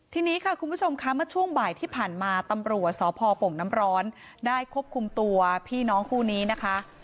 ทีนี้ค่ะคุณผู้ชมค่ะเมื่อช่วงบ่ายที่ผ่านมาตำรวจสพปงน้ำร้อนได้ควบคุมตัวพี่น้องคู่นี้นะคะ